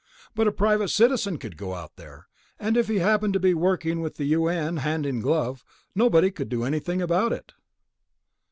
But a private citizen could go out there, and if he happened to be working with the U.N. hand in glove, nobody could do anything about it."